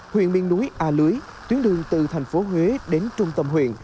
huyện miền núi a lưới tuyến đường từ thành phố huế đến trung tâm huyện